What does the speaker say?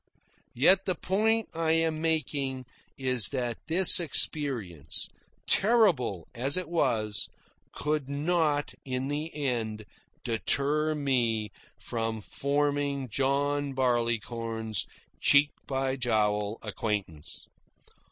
Yet the point I am making is that this experience, terrible as it was, could not in the end deter me from forming John Barleycorn's cheek by jowl acquaintance.